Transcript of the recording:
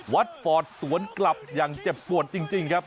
ฟอร์ดสวนกลับอย่างเจ็บปวดจริงครับ